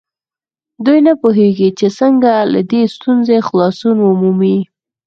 دوی نه پوهېږي چې څنګه له دې ستونزې خلاصون ومومي.